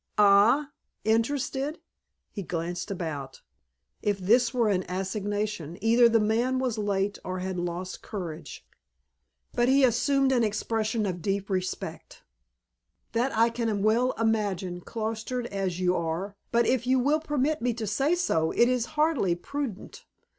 "Ah? Interested?" He glanced about. If this were an assignation either the man was late or had lost courage. But he assumed an expression of deep respect. "That I can well imagine, cloistered as you are. But, if you will permit me to say so, it is hardly prudent.